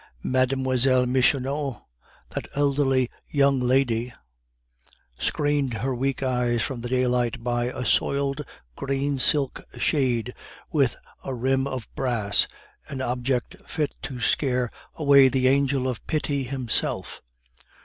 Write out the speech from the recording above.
Mlle. Michonneau, that elderly young lady, screened her weak eyes from the daylight by a soiled green silk shade with a rim of brass, an object fit to scare away the Angel of Pity himself.